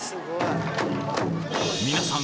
皆さん